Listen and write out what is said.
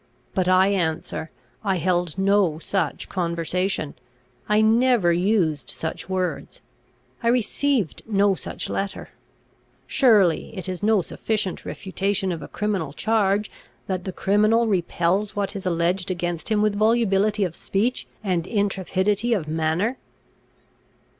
But I answer, I held no such conversation; I never used such words; I received no such letter. Surely it is no sufficient refutation of a criminal charge, that the criminal repels what is alleged against him with volubility of speech, and intrepidity of manner."